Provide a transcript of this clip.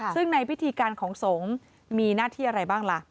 ซึ่งในพิธีการของสงฆ์มีหน้าที่อะไรบ้างล่ะ